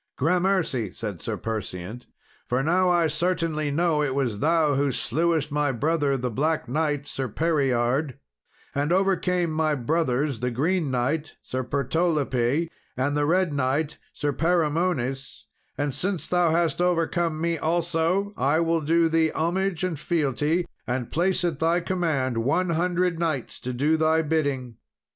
"Grammercy!" said Sir Perseant, "for now I certainly know that it was thou who slewest my brother, the Black Knight, Sir Pereard; and overcame my brothers, the Green Knight, Sir Pertolope, and the Red Knight, Sir Perimones; and since thou hast overcome me also, I will do thee homage and fealty, and place at thy command one hundred knights to do thy bidding."